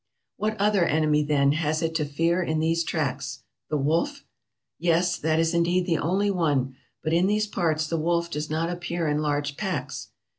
"What other enemy, then, has it to fear in these tracts? The wolf? Yes — that is indeed the only one; but in these parts the wolf does not appear in large packs.